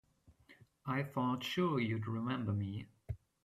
I thought sure you'd remember me.